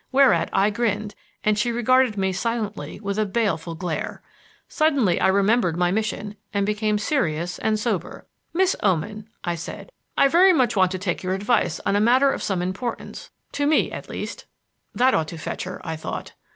Whereat I grinned, and she regarded me silently with a baleful glare. Suddenly I remembered my mission and became serious and sober. "Miss Oman," I said. "I very much want to take your advice on a matter of some importance to me, at least." (That ought to fetch her, I thought.